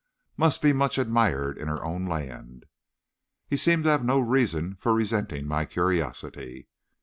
Must be much admired in her own land?" He seemed to have no reason for resenting my curiosity.